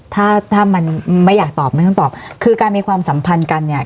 ถ้าถ้ามันไม่อยากตอบไม่ต้องตอบคือการมีความสัมพันธ์กันเนี่ย